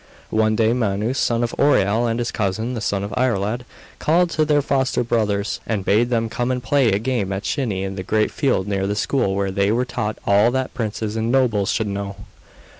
One day Manus, son of Oireal, and his cousin, the son of Iarlaid, called to their foster brothers, and bade them come and play a game at shinny in the great field near the school where they were taught all that princes and nobles should know.